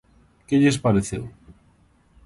Que lles pareceu?